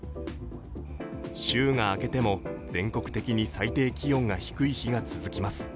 週が明けても全国的に最低気温が低い日が続きます。